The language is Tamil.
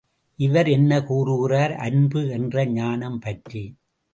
இவர் என்ன கூறுகிறார் அன்பு என்ற ஞானம் பற்றி?